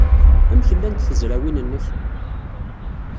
Amek llant tezrawin-nnek?